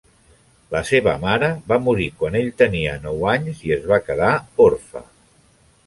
La seva mare va morir quan ell tenia nou anys i es va quedar orfe.